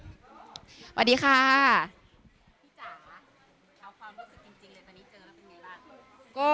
สวัสดีครับ